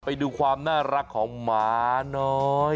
ไปดูความน่ารักของหมาน้อย